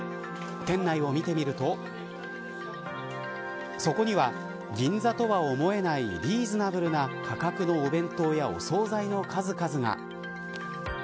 店内を見てみるとそこには、銀座とは思えないリーズナブルな価格のお弁当やお総菜の数々が。